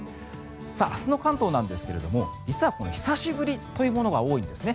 明日の関東なんですが実は、久しぶりというものが多いんですね。